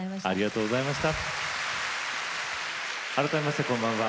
改めまして、こんばんは。